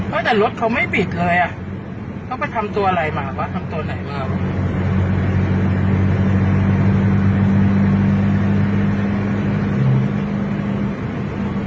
ไม่แต่รถเขาไม่บิดเลยอ่ะเขาไปทำตัวอะไรมาเขาทำตัวไหนมา